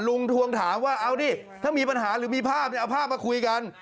ทวงถามว่าเอาดิถ้ามีปัญหาหรือมีภาพเนี่ยเอาภาพมาคุยกัน